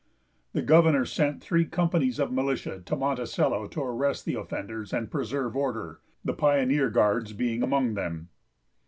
The governor sent three companies of the militia to Monticello to arrest the offenders and preserve order, the Pioneer Guards being among them.